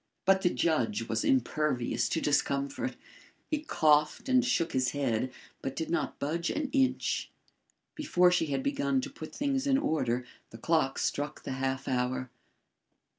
But the judge was impervious to discomfort. He coughed and shook his head, but did not budge an inch. Before she had begun to put things in order, the clock struck the half hour.